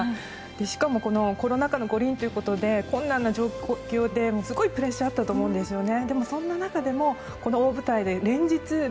しかもコロナ禍の五輪ということで困難な状況ですごいプレッシャーがあったと思うんですね。